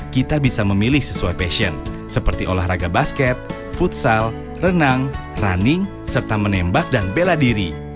kita bisa memilih sesuai passion seperti olahraga basket futsal renang running serta menembak dan bela diri